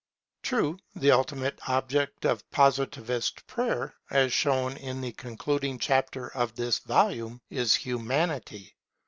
True, the ultimate object of Positivist Prayer, as shown in the concluding chapter of this volume, is Humanity.